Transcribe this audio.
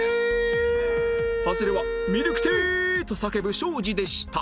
ハズレは「ミルクティー！」と叫ぶ庄司でした